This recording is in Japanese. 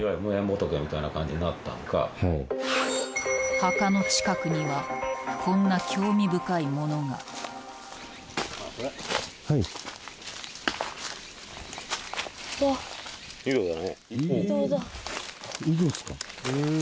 墓の近くにはこんな興味深いものが井戸っすか。